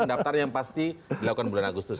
pendaftar yang pasti dilakukan bulan agustus